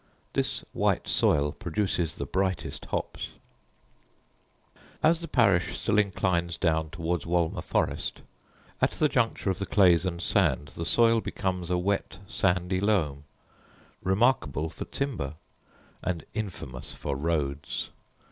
This white soil produces the brightest hops. As the parish still inclines down towards Wolmer forest, at the juncture of the clays and sand the soil becomes a wet, sandy loam, remarkable for timber, and infamous for roads.